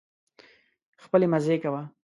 خپلې مزې کوه.